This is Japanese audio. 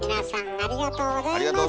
ありがとうございます！